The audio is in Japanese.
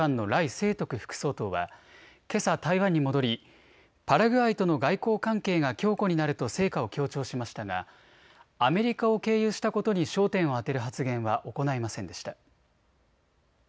清徳副総統はけさ台湾に戻りパラグアイとの外交関係が強固になると成果を強調しましたがアメリカを経由したことに焦点をあてる発言は行いませんでした。